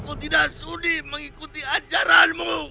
aku tidak sedih mengikuti ajaranmu